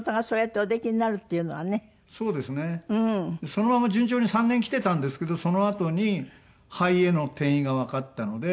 そのまま順調に３年きてたんですけどそのあとに肺への転移がわかったので。